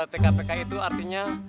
tkpk itu artinya